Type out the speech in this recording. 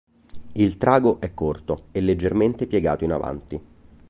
Il trago è corto e leggermente piegato in avanti.